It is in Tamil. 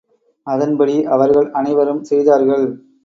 அதன்படி அவர்கள் அனைவரும் செய்தார்கள்.